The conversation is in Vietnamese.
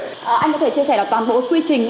anh có thể chia sẻ được toàn bộ quy trình